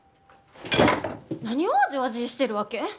何をわじわじーしてるわけ？